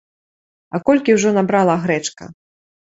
А колькі ўжо набрала грэчка!